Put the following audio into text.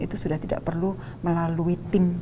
itu sudah tidak perlu melalui tim